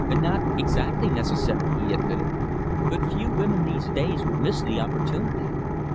"Not exactly necessary" he admitted "but few women, these days, would miss the opportunity."